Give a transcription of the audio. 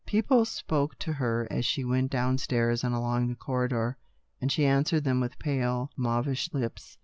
People spoke to her as she went down stairs and along the corridor, and she answered them with pale mauvish lips.